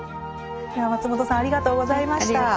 松本さんありがとうございました。